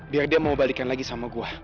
biar dia mau balikin lagi sama gua